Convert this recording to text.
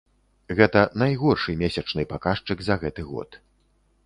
Гэта найгоршы месячны паказчык за гэты год.